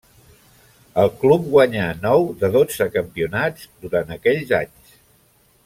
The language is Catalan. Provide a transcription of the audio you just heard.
El club guanyà nou de dotze campionats durant aquells anys.